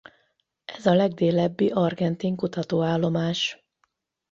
Ez a legdélebbi argentin kutatóállomás.